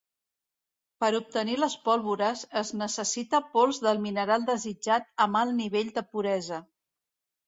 Per obtenir les pólvores, es necessita pols del mineral desitjat amb alt nivell de puresa.